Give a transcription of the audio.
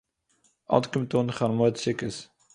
אָט קומט אָן חול המועד סוכות